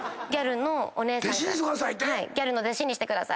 ギャルの弟子にしてください。